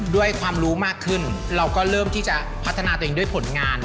ด้วยความรู้มากขึ้นเราก็เริ่มที่จะพัฒนาตัวเองด้วยผลงาน